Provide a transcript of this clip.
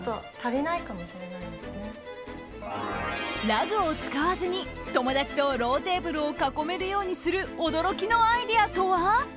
ラグを使わずに、友達とローテーブルを囲めるようにする驚きのアイデアとは？